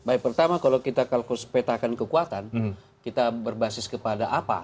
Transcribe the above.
baik pertama kalau kita petakan kekuatan kita berbasis kepada apa